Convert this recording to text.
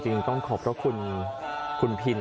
จริงต้องขอบเพราะคุณพิน